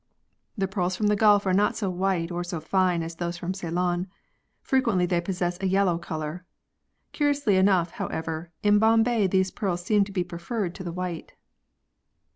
The pearls from the Gulf are not so white or as fine as those from Ceylon. Frequently they possess a yellow colour. Curiously enough, however, in Bombay these pearls seem to be preferred to the white.